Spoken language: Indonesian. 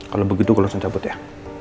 kalau begitu gue langsung cabut ya